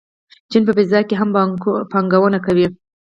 چین په فضا کې هم پانګونه کوي.